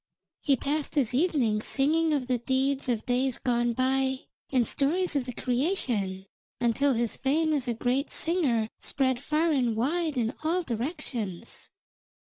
He passed his evenings singing of the deeds of days gone by and stories of the creation, until his fame as a great singer spread far and wide in all directions.